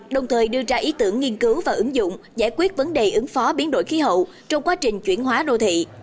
đồng thời đưa ra ý tưởng nghiên cứu và ứng dụng giải quyết vấn đề ứng phó biến đổi khí hậu trong quá trình chuyển hóa đô thị